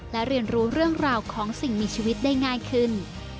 และเรียนรู้เรื่องราวของสิ่งมีชีวิตได้ง่ายขึ้น